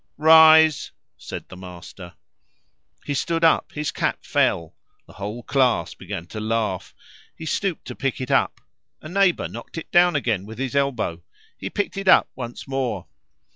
"Rise," said the master. He stood up; his cap fell. The whole class began to laugh. He stooped to pick it up. A neighbor knocked it down again with his elbow; he picked it up once more.